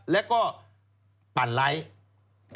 แล้วก็ปั่นไลค์